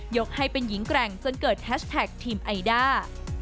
กให้เป็นหญิงแกร่งจนเกิดแฮชแท็กทีมไอด้า